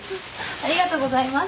ありがとうございます。